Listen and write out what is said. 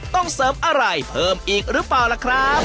ต้องเสริมอะไรเพิ่มอีกหรือเปล่าล่ะครับ